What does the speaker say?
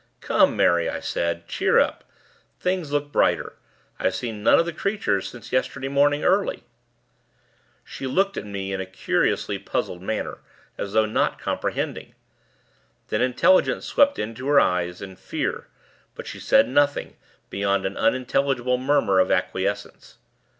'Come, Mary,' I said. 'Cheer up! Things look brighter. I've seen none of the creatures since yesterday morning, early.' She looked at me, in a curiously puzzled manner; as though not comprehending. Then, intelligence swept into her eyes, and fear; but she said nothing, beyond an unintelligible murmur of acquiescence.